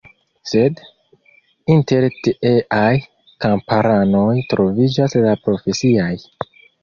Sed, inter tieaj kamparanoj troviĝas la profesiaj.